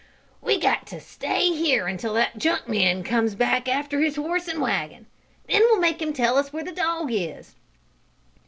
"We got to stay here until that junk man comes back after his horse and wagon. Then we'll make him tell us where the dog is."